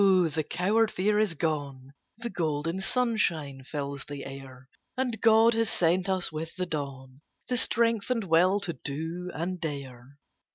the coward fear is gone The golden sunshine fills the air, And God has sent us with the dawn The strength and will to do and dare.